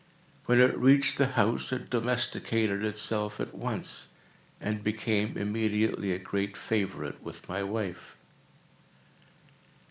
When it reached the house it domesticated itself at once, and became immediately a great favorite with my wife.